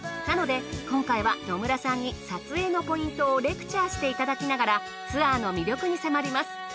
なので今回は野村さんに撮影のポイントをレクチャーしていただきながらツアーの魅力に迫ります。